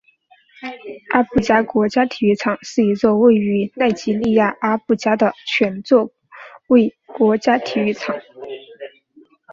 阿布加国家体育场是一座位于奈及利亚阿布加的全座位国家体育场。